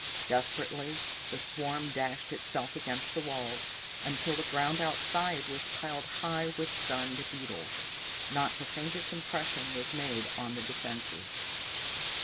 Desperately the swarm dashed itself against the walls, until the ground outside was piled high with stunned beetles. Not the faintest impression was made on the defenses.